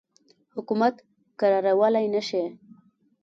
حکومت کرارولای نه شي.